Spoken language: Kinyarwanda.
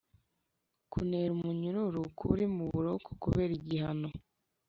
kunera umunyururu: kuba uri mu buroko kubera igihano